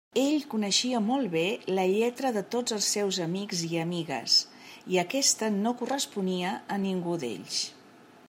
Ell coneixia molt bé la lletra de tots els seus amics i amigues i aquesta no corresponia a ningú d'ells.